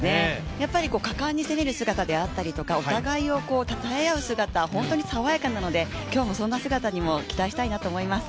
やっぱり、果敢に攻める姿であったりとかお互いをたたえ合う姿、本当に爽やかなので今日もそんな姿にも期待したいなと思います。